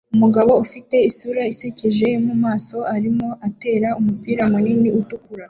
Umugabo ufite isura isekeje yo mumaso arimo atera umupira munini utukura